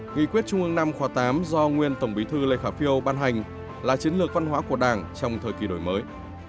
nghị quyết trung ương năm khóa tám do nguyên tổng bí thư lê khả phiêu ban hành là chiến lược văn hóa của đảng trong thời kỳ đổi mới